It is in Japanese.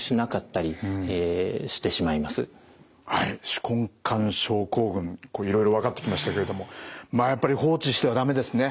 手根管症候群いろいろ分かってきましたけれどもまあやっぱり放置しては駄目ですね。